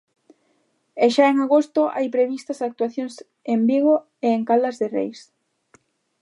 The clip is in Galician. E xa en agosto, hai previstas actuacións en Vigo e en Caldas de Reis.